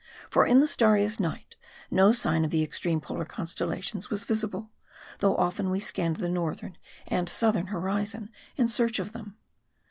For in the starriest night no sign of the extreme Polar constellations was visible ; though often we scanned the northern and southern hori zon in search of them.